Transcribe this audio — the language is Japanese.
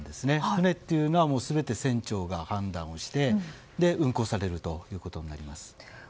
船というのは全て船長が判断して運航されるということになります。